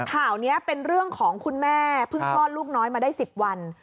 ข่าวนี้เป็นเรื่องของคุณแม่เพิ่งคลอดลูกน้อยมาได้๑๐วัน